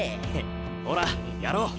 ほらやろう。